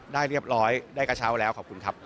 ได้เรียบร้อยได้กระเช้าแล้วขอบคุณครับ